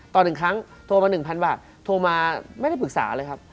๑ครั้งโทรมา๑๐๐บาทโทรมาไม่ได้ปรึกษาเลยครับ